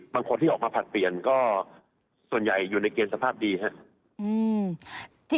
บางคนที่ออกมาผลัดเปลี่ยนก็ส่วนใหญ่อยู่ในเกณฑ์สภาพดีครับ